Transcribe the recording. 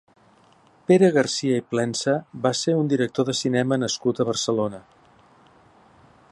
Pere Garcia i Plensa va ser un director de cinema nascut a Barcelona.